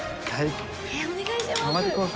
お願いします。